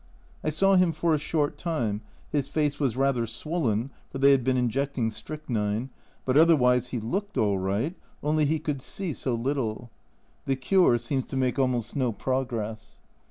I saw him for a short time his face was rather swollen, for they have been injecting strychnine, but otherwise he looked all right, only he could see so little. The cure seems to make almost no progress.